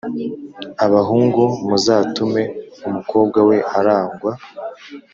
abahungu muzatume umukobwa we aragwa